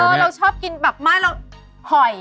เราชอบกินแบบหอย